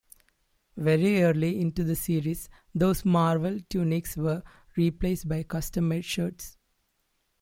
Very early into the series, those Marvel tunics were replaced by custom made shirts.